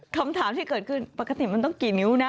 คำถามที่เกิดขึ้นปกติมันต้องกี่นิ้วนะ